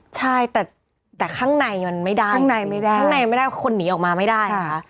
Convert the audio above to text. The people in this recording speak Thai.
ใช่แต่ข้างในมันไม่ได้ข้างในไม่ได้คนหนีออกมาไม่ได้